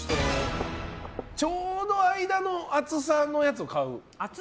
ちょうど間の厚さのやつを買う。